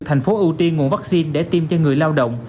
tp hcm ưu tiên nguồn vaccine để tiêm cho người lao động